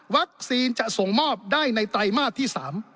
จะส่งมอบได้ในไตรมาสที่๓